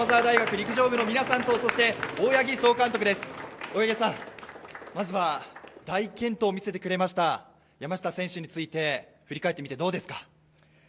陸上部の皆さんと大八木総監督です、まずは大健闘を見せてくれました山下選手について振り返ってみてどうですか。